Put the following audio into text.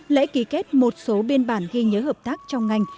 lễ ký kết một số biên bản ghi nhớ hợp tác trong ngành